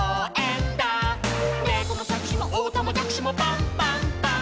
「ねこもしゃくしもおたまじゃくしもパンパンパン！！」